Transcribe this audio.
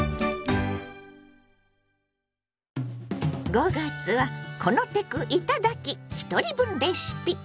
５月は「このテクいただき！ひとり分レシピ」。